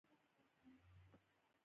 زده کړه باید په ښه ډول سره تر سره سي.